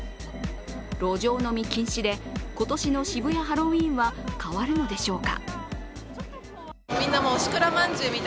路上飲み禁止で今年の渋谷ハロウィーンは変わるのでしょうか？